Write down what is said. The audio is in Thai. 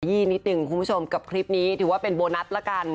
ี่นิดนึงคุณผู้ชมกับคลิปนี้ถือว่าเป็นโบนัสละกัน